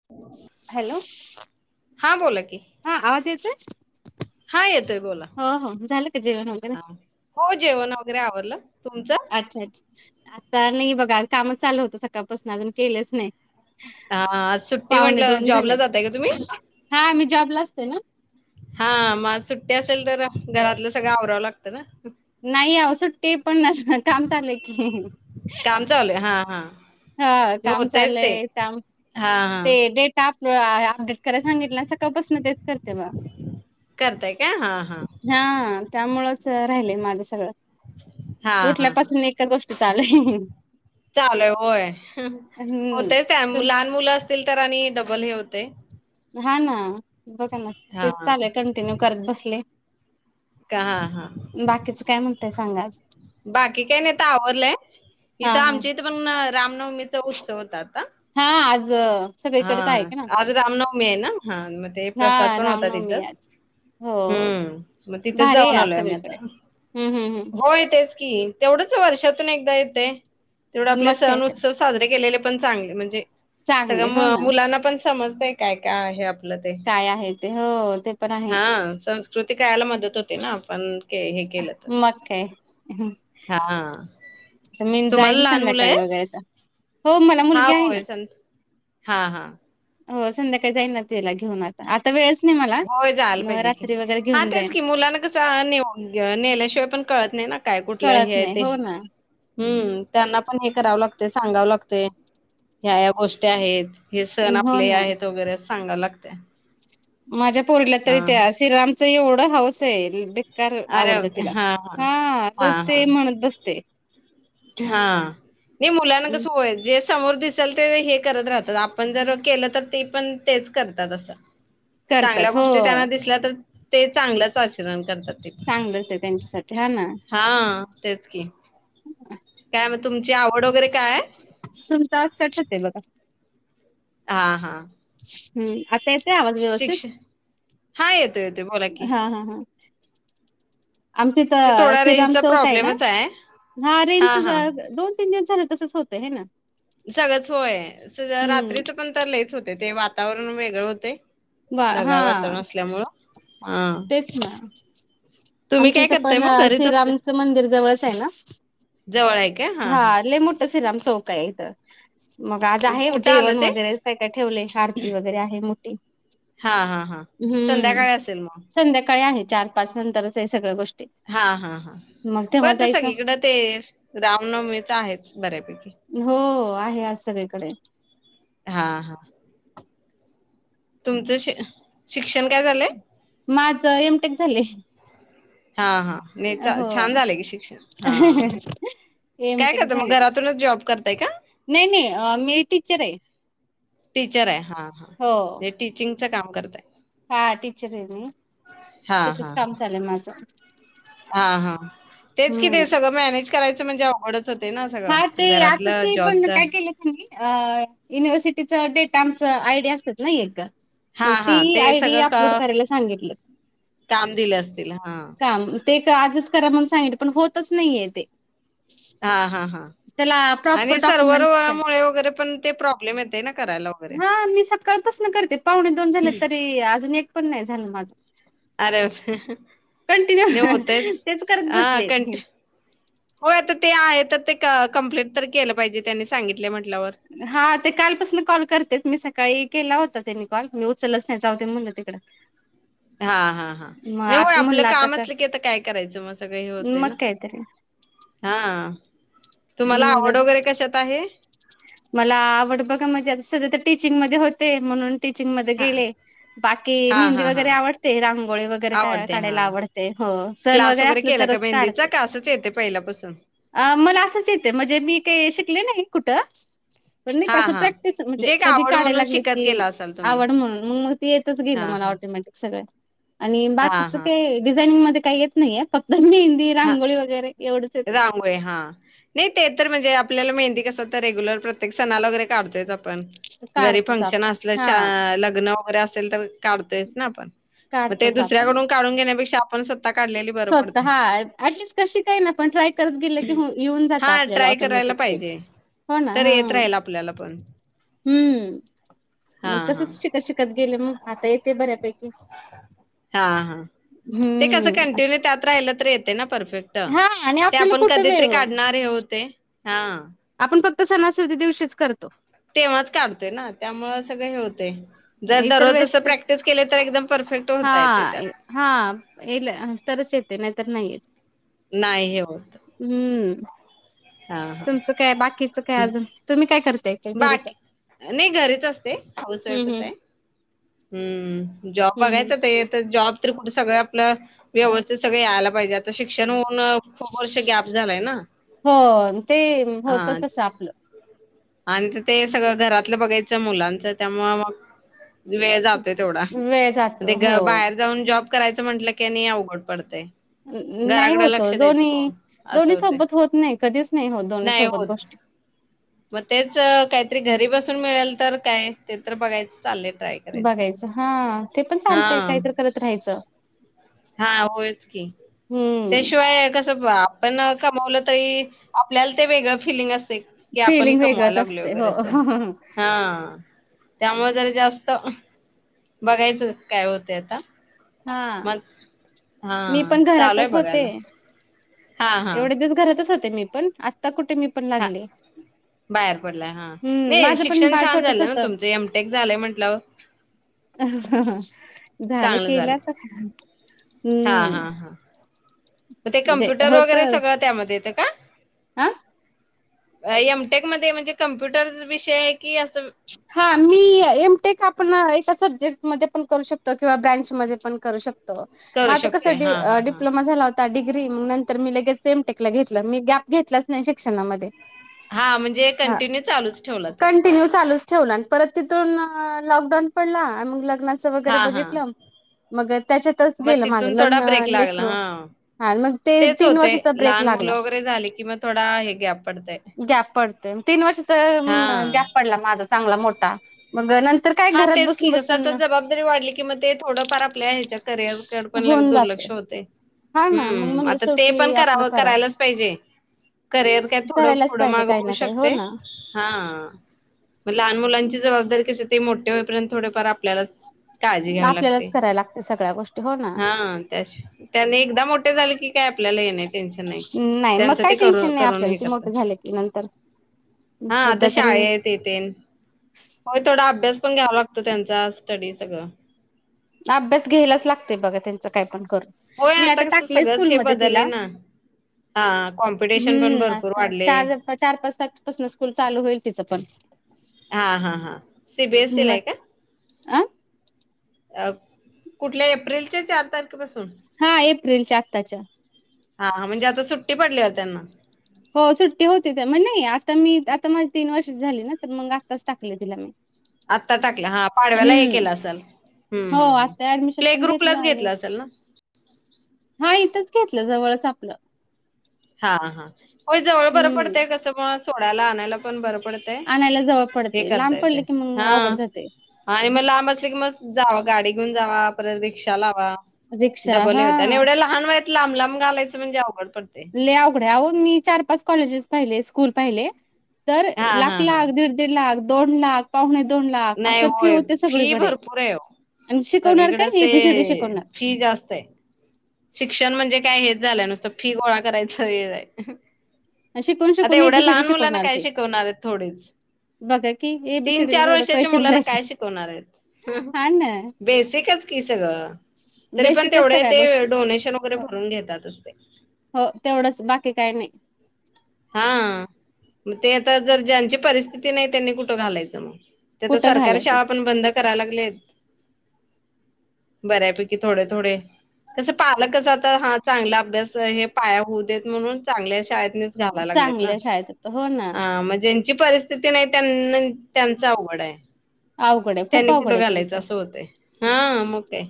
[unintelligible] Hello, हां बोला की, हा आवाज येतोय? हां येतोय बोला. हो हो, झालं का जेवण वगैरे? हां. हो जेवण वगैरे आवरलं. तुमचं? अच्छा अच्छा. आता नाही बघा कामच चालू होतं सकाळपासून, अजून केलंच नाही. हा आज सुट्टी पावणे म्हंटल्यावर, दोन जॉबला झालेत जातय का तुम्ही? हा मी जॉबला असते ना. हा म आज सुट्टी असेल तर घरातलं सगळं आवरावं लागतं ना? नाही आओ सुट्टी पण नसतं. काम चालू आहे की. काम चालू आहे हा हा. हा काम चालय काम हां ते हां. डेटा होय अपडेट करायला सांगितलं. सकाळपासून तेच करते मग. करताय का? हा हा. हा, त्यामुळेच राहिलेय माझं सगळं. हां हां हां. उठल्यापासून एकच गोष्ट चालू हाय. चालू हाय होय. होतेच ते त्या आणि हम्म लहान मुलं असतील तर आणि डबल हे होते. हा ना. बघा ना. तेच हां. चालू हाय. कंटिन्यू करत बसले. हा हा. बाकीचं काय म्हणतय सांगा अजून? बाकी काही नाही आता आवरलंय. हा इथं हा आमच्या इथे पण रामनवमीचा उत्सव होता आता. हा आज हा. सगळीकडेच आहे का ना आज रामनवमी आहे ना. हा मग ते प्रसाद हा पण होता रामनवमी आहे तिथंच. आज हो हम्म मग तिथेच भारी आहे जाऊन आज आलोय आम्ही सगळीकडे आता. हम्म हम्म हम्म. होय तेच की तेवढंच वर्षातून एकदा येते तेवढा हम्म आपले मग काय सण तर उत्सव. साजरे केलेले पण चांगले म्हणजे सगळ चांगली हो ना मुलांना पण समजतय काय काय आहे आप आपल ते काय आहे ते हो ते पण आहे हा संस्कृती कळायला मदत होती ना पण. मग काय. हा. तर मी जाईन संध्याकाळी वगैरे आता हो मला मुलगी आहे ना. हा हा. हो संध्याकाळी जाईना त्याला घेऊनच. आता वेळच नाही मला. होय जायला मग पाहिजे की. रात्री वगैरे हा घेऊन तेच जाईन की मुलाना कसं ने नेल्याशिवाय पण कळत नाही ना काय कुठलं हे कळत आहे नाही ते. हो ना. हम त्यांना पण हे करावं लागते सांगावं लागते ह्या ह्या गोष्टी आहेत. हे सण हो आपले ना आहेत वगैरे सांगाव लागते. माझ्या पोरील्या हा. तरी त्या श्रीरामच एवढं हाऊस आहे. कार अरे आवडतं तिला हा हा रोज ते म्हणत बसते. हा नाही मुलांना कस होय जे. समोर दिसेल तर हे करत राहतात आपण जर केलं तर ते पण तेच करतात असं. चांगल्या करतात हो गोष्टी त्यांना दिसल्या तर ते चांगलंच आचरण करतात. ते चांगलंच आहे त्यांच्यासाठी हा ना. हा तेच की. काय मग तुमची आवड वगैरे काय. तुमचा असच कटते बघा. [inaudible] हा हा. हम्म आता येत आहे आवाज व्यवस्थित. शिक्षण हा येतो येतो बोला की हा हा हा. आमच्या ते इथे थोडा श्रीराम रेंजचा चौक आहे ना प्रॉब्लेमच हा रेंच जरा रोज. दोन तीन दिवस झालं तसच होतंय हाय ना. सगळंच होय स हम्म रात्रीचं पण तर लईच होते ते वातावरण वेगळं होते. वा हा ढगाळ वातावरण असल्यामूळ. तेच ना. तुम्ही आमच्या काय इथं करताय पण मग घरीच असते श्रीरामचं मंदिर जवळच आहे ना. जवळ आहे का हा हां. लय मोठं श्रीराम चौक हाय इथ. मग आज आहे कुठं आलं जेवण ते वगैरे काय काय ठेवले आरती वगैरे आहे मोठी. हा हा हा हम्म संध्याकाळी असेल मग. संध्याकाळी आहे चार पाच नंतरच आहे सगळ्या गोष्टी. हा हा हा मग हो तेव्हा तर जायचं सगळीकडें ते रामनवमीच आहे बऱ्यापैकी. हो आहे आज सगळीकडे. हा हा. तुमचं श शिक्षण काय झालंय. माझं एमटेक झालेय. हा हा. नाही चा छान झालंय की शिक्षण हा काय एमटेक करता मग झाले घरातूनच जॉब करताय का नाही नाही अ मी टीचर आहे. टीचर आहे हा हा हो हे टीचिंगचं काम करताय. हा टीचर आहे मी हा त्याचंच हा हा काम चालुय माझं. हा हा तेच कि हम्म ते सगळं मॅनेज करायचं म्हणजे अवघडच होतंय ना सगळं घरातलं जॉबचं मी अ युनिव्हर्सिटीचं डेटा आमचं आय डी असत्यात ना एक हा मग हा ती ते आय डी सगळं अपलोड का करायला सांगितलेत काम दिलं असतील हा काम ते का आजच करा म्हणून सांगीतलं पण होतच नाहीये ते. हा हा हा त्याला प्रॉपर आणि सर्वर डॉक्युमेंट्स काय मुळे वगैरे पण ते प्रॉब्लेम येतोय ना करायला. वगैरे. हा मी सकाळपासनं करते पावणे दोन झालेत तरी अजून एक पण नाय झालं माझं. अरे कंटिन्यू नाही होतंयच तेच करत हा बसले कंट होय आता ते आहे तर ते कम्प्लीट तर केलं पाहिजे त्यांनी सांगितलंय म्हंटल्यावर. हा ते कालपासनं कॉल करतेत मी सकाळी केला होता त्यांनी कॉल मी उचलाच नाय जऊदे म्हणलं तिकडं. [inaudible] हा हा हा मग नाही हो आत आपलं म्हणलं आता काम कर असलं की आता काय करायचं मग सगळं हे होतंय ना. मग काहीतरी हा तुम्हाला म्हणलं आवड वगैरे कशात आहे. मला आवड बघा म्हणजे आता सध्या तर टीचिंग मध्ये होते म्हणून टीचिंग मध्ये हा गेले. बाकी हा मेहंदी हा हा वगैरे आवडते रांगोळी वगैरे का आवडते हा. काढायला आवडते हो. सण क्लास वगैरे असलं केला का तरच मेंदीचा काढते. असंच येते पहिल्यापासून. अ मला असंच येते म्हणजे मी काही शिकले नाही कुठं पण नाही का हा असं हा. प्रॅक्टिस म्हणजे एक कधी आवड काढाय म्हणून लागलं शिकत की. गेला असाल तुम्ही. आवड म्हणून मग मग ती येतच हा गेलं मला हा ऑटोमॅटिक. सगळं आणि हा बाकीचं हा काही डिझायनिंग मध्ये काही येत नाहीये फक्त में दि रांगोळी वगैरे एवढंच येतंय तसं. रांगोळी ते हा. नाही ते तर म्हणजे आपल्याला मेंहदी कसं आता रेग्युलर प्रत्येक सणाला वगैरे काढतोयच आप पण घरी काढतोच फंक्शन आपण असलं हा शा लग्न वगैरे असेल तर काढतोयच ना आपण. मग ते काढतोच आपण. दुसऱ्याकडून घेण्यापेक्षा आपण स्वत स्वतः हा अटलिस्ट कशी काय ना पण ट्राय करत गेलं की होऊन येऊन जातं हां आपल्याला ट्राय करायला ऑटोमॅटिक ते. पाहिजे. हो ना तर येत हां राहील आपल्याला पण. हम्म हां मग हां. तसंच शिकत शिकत गेलं मग. आता येते बऱ्यापैकी हा हा ते कसं हम्म कंटिन्यू त्यात राहिलं तर येते ना परफेक्ट. हा आणि ट ते आपल्याला आपण कुठं वेळ कधीतरी ओ काढणार हे होते हा. आपण फक्त सणासुदी दिवशीच करतो. तेव्हाच काढतोय ना त्यामुळं सगळं हे होतंय. जर इतर दररोज वेळेस असं तर प्रॅक्टिस केलं तर एकदम परफेक्ट हा होता येतंय त्यात. हा येल तरच येते नाहीतर नाही येत. नाय हे होत. हम्म हा हा तुमचं काय बाकीचं काय अजून तुम्ही काय करताय काय घरीच? बाकी नाही घरीच असते हाऊस हम्म वाईफच हम्म आहे. हम्म जॉब हम्म हम्म बघायचं ते हे तर जॉब. तर कुठे सगळं आपलं व्यवस्थित सगळं यायला पाहिजे आता शिक्षण होऊन खूप वर्ष गॅप झालाय ना. हो ते होतं हा तसं आपलं. आणि ते सगळ घरातल बघायच मुलांच त्यामुळ मग वेळ जातोय तेवढा. वेळ ते जातो हो. बाहेर जाऊन जॉब करायच म्हंटल की नाही अवघड पडतय. नाही होत वो. दोन्ही, असं दोन्ही होतंय. सोबत होत नाही. कधीच नाही होत दोन्ही नाही सोबत होत. गोष्टी. मग तेच काहीतरी घरी बसून मिळाल तर काय ते तर बघायच चाललय ट्राय. करायचं. बघायच हा, ते पण चालतय. हां. काहीतर करत राहायच. हां. होयच की. हम्म त्याशिवाय कस आपण कमवल तरी आपल्याला ते वेगळ फिलिंग असतय. कि आपण फिलिंग कमवाय वेगळंच लागलोय असते वगैरे हो अस. हा त्यामुळे जरा जास्त बघायच काय होतय आता. हा. मग हा, मी पण चालूय घरातच होते बघायला. हां. हां. एवढे दिवस घरातच होते मी पण. आता कुठे मी पण ह लागले. बाहेर पडलाय हा, हम्म नाही माझं पण शिक्षण बाळ छान छोटच झाल ह होतं तुमच एम टेक झालय म्हटल्यावर. झाल चांगलं केल झालं आता. हा हा हम्म हा, मग ते जे कंप्युटर होत वगैरे सगळ त्यामध्ये येत का? आ एमटेक मध्ये म्हणजे कम्प्युटर विषय की अस हा मी, एमटेक आपण एका सब्जेक्ट मध्ये पण करू शकतो. किंवा ब्रँच मध्ये पण करू शकतो. म करू आता कस शकतोय डी हा हा हा डिप्लोमा झाला होता. डिग्री मग नंतर मी लगेच एमटेकला घेतल. मी गॅप घेतलाच नाही शिक्षणामध्ये. हा म्हणजे हा कंटिन्यू चालूच ठेवल ते. कंटिन्यू चालूच ठेवला. आणि परत तिथून लॉकडाऊन पडला आणि मग लग्ना च वैगरे हा हा बघितल. मग त्याच्यातच मग गेल माझ. तिथून थोडा लग्न ब्रेक लागला लेकर हा हा मग ते तेच होतय, लहान मुल वगैरे झाली कि म थोडा हे गॅप पडतय. गॅप पडतय मग तीन वर्षाच हा गॅप पडला माझा चांगला मोठा. मग नंत हा तेच की ग, कस आता जबाबदारी वाढली की मग ते थोडफार आपल्या हेच्या करिअरकड पण लगेच होऊन जाते. दुर्लक्ष होतय. हा ना मग हम्म, म्हणलं आता ते पण शेवटी आपलं कराव करावं करायलाच पाहिजे. करिअर काय थोड करायलाच पुढ पाहिजे माग काही होऊ ना काही हो शकतय. ना हा मग लहान मुलांची जबाबदारी कशी ते मोठे होईपर्यंत थोडेफार आपल्यालाच काळजी घ्यावी लागते. आपल्यालाच करायला लागते सगळ्या गोष्टी हो ना हा त्याशी त्यांनी एकदा मोठे झाले की काय आपल्याला हे नाहीत. नाही मग काय टेन्शन नाही करून आपल्याला हे ते करतात. मोठ झाले की नंतर. सध्या तरी ते तेन, होय थोडा अभ्यास पण घ्यावा लागतोय त्यांचा स्टडी सगळ. अभ्यास घ्यायलाच लागतय बघा त्यां च काय पण कर. होय मी आता कसं टाकलय स्कुल मध्ये तिला. हा कॉम हम्म, आता चार, चार-पाच तारखे पासुन स्कूल चालू होईल तिच पण. हा हा हा, सीबीएसईला आहे का? मग अ अ कुठल्या एप्रिलच्या चार तारखेपासून. हा एप्रिलच्या आत्ताच्या. हा म्हणजे आता सुट्टी पडलीया त्यांना. हो सुट्टी होती त्या, मग नाही आता मी आता माझी तीन वर्षाची झाली ना, तर मग आत्ताच टाकल तिला मी. आत्ता टाकल. हा पाडव्याला हे हम्म केल असल. हम्म हो हम्म हम्म आता ऍडमिशन प्ले पण घेतलं ग्रुपलाच आणि घेतल असल ना? हा इथंच घेतलं जवळच आपलं. हा हा होय जवळ बरं हम्म. पडतय कसं मग सोडायला आणायला पण बरं पडत आणायला जवळ पडतय, लांब पडल की मग अवघड जातय. हा आणि लांब असले की, मग जावं गाडी घेऊन जावा परत रिक्षा लावा. रिक्षा डबल हा हे होतयं आणि एवढ्या लहान वयात लांब लांब घालायचं म्हणजे अवघड पडतय. लई अवघड हाय, अहो मी चार पाच कॉलेजेस पाहिले, स्कुल पाहिले तर हा लाख हा हा लाख दीड दीड लाख दोन लाख पाहुणे दोन लाख नाही अशा फी होय होते फी सगळीकडे. भरपूर आहे ओ आणि शिकवणार सगळीकडेच काय ए ते बी सी डी शिकवणार. फी जास्त आहे. शिक्षण म्हणजे काय हेच झालं नुसतं, फी गोळा करायच हे आहे. शिकून आता शिकून एवढ्या एबीसीडी लहान मुलांना शिकवणार काय ते. शिकवणार आहेत थोडीच. बघा की तीन एबीसीडीला चार एवढे वर्षाच्या पैसे मुलांना भरायचे काय शिकवणार आहेत? हा ना बेसिकच की सगळं, तरी पण बेसिकच तेवढे सगळ्या ते गोष्टी. डोनेशन वगैरे हो भरून घेतातच. हो तेवढंच बाकी काही नाही. हा मग ते आता जर ज्यांची परिस्थिती नाही त्यांनी कुठं घालायचं? मग. त्या तर कुठं सरकारी घालायचं शाळा पण बंद कराय लागलेत. बऱ्यापैकी थोडे थोडे. कसं पालकच आता हा चांगला अभ्यास हे पाया होऊ देत म्हणून चांगल्या शाळेत घाला लागलेत ना चांगल्या शाळेत हो ना. जची परिस्थिती नाही, त्यां त्यांच आवघड आहे. अवघड आहे खूप त्यांनी अवघड कुठं आहे त्यांचं घालायचं? असं होतं, हा मग काय.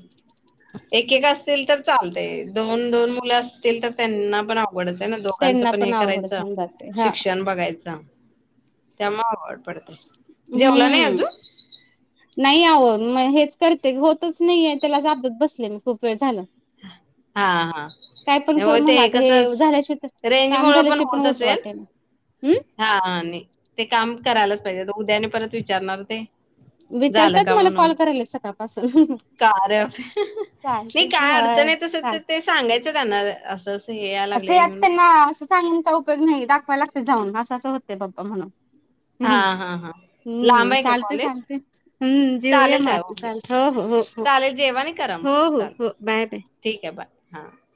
एक एक असतील तर चालते, दोन दोन मुलं असतील तर त्यांना पण अव अवघडच आहे ना दोघांचं त्यांना पण हे अवघडच करायचं होऊन जाते हा शिक्षण बघायचं. त्यामुळे आवघड पडतय, जेवला नाय हम्म अजून. नाही आवं मग हेच करते होतच नाहीय, त्याला जाबत बसले मी खूप वेळ झालं. हा हा काय पण कर हो ते मला, आता कसं हे झाल्याशी रेंज काम मुळं झाल्याशी पण होत ऊठू असेल. वाटेत हम हा आणि ते काम करायलाच पाहिजे उद्या आणि परत विचारणार ते. झालं विचारतात का मला कॉल म्हणून कराल्यात सकाळपासून. का अरे चालते की ह नाही तस तर ते सांगायचं त्यांना असं असं हे या ते लागलं आता म्हणून. त्यांना असं सांगून काय उपयोग नाही, दाखवाय लागते जाऊन असं असं होते बाबा म्हणून. हम हा हा हा लांब हम्म आहे का चालत चाल कॉलेज हम्म जेऊया मगं आता चालत, हो हो हो हो. जेवा नि करा. हो मग हो चालेल हो बाय बाय ठीक आहे बाय. हां